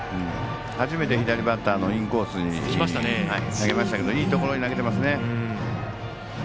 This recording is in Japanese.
初めて左バッターのインコースに投げましたけどいいところに投げてますね。